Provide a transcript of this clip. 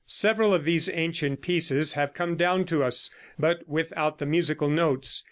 Several of these ancient pieces have come down to us, but without the musical notes.